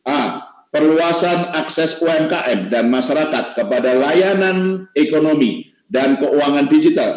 a perluasan akses umkm dan masyarakat kepada layanan ekonomi dan keuangan digital